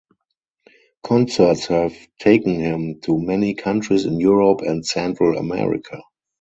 Concerts have taken him to many countries in Europe and Central America.